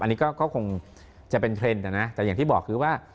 อันนี้ก็คงจะเป็นเทรนด์นะแต่อย่างที่บอกคือว่า